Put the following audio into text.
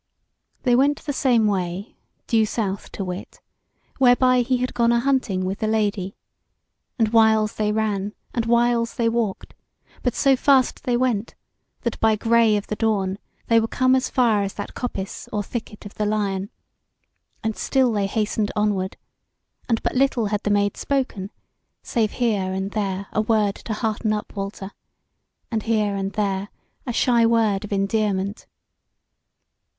They went the same way, due south to wit, whereby he had gone a hunting with the Lady; and whiles they ran and whiles they walked; but so fast they went, that by grey of the dawn they were come as far as that coppice or thicket of the Lion; and still they hastened onward, and but little had the Maid spoken, save here and there a word to hearten up Walter, and here and there a shy word of endearment.